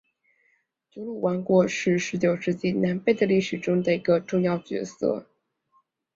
祖鲁王国是十九世纪南非的历史中的一个重要角色。